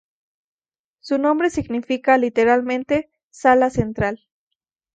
Su nombre significa literalmente "sala central".